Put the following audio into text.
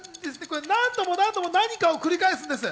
何度も何度も何かを繰り返すんです。